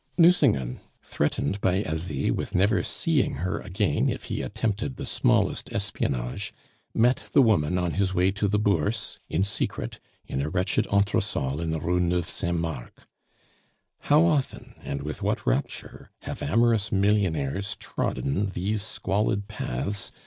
Nucingen threatened by Asie with never seeing her again if he attempted the smallest espionage met the woman on his way to the Bourse, in secret, in a wretched entresol in the Rue Nueve Saint Marc. How often, and with what rapture, have amorous millionaires trodden these squalid paths!